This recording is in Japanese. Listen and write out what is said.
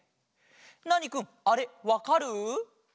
ナーニくんあれわかる？